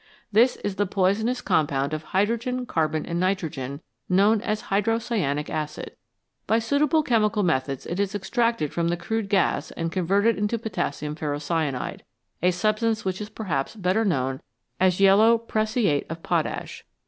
This is the poisonous compound of hydrogen, carbon, and nitrogen known as hydrocyanic acid. By suit able chemical methods it is extracted from the crude gas and converted into potassium ferrocyanide, a substance which is perhaps better known as yellow prussiate of potash.